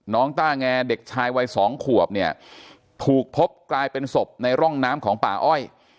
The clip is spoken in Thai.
ต้าแงเด็กชายวัยสองขวบเนี่ยถูกพบกลายเป็นศพในร่องน้ำของป่าอ้อย